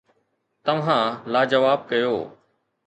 توهان لاجواب ڪيو.